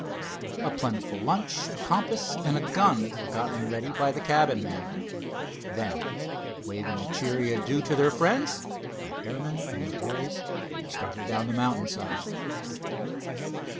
A plentiful lunch, a compass, and a gun were gotten ready by the cabin man. Then, waving a cheery adieu to their friends, the airman and the boys started down the mountain side.